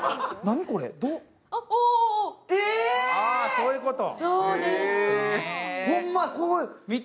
こういうこと？